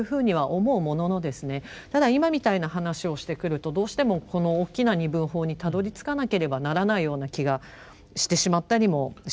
ただ今みたいな話をしてくるとどうしてもこの大きな二分法にたどりつかなければならないような気がしてしまったりもします。